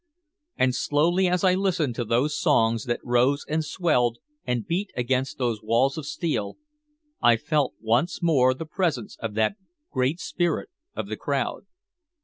And slowly as I listened to those songs that rose and swelled and beat against those walls of steel, I felt once more the presence of that great spirit of the crowd.